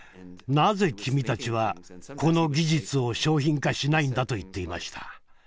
なぜ君たちはこの技術を商品化しないんだ」と言っていました。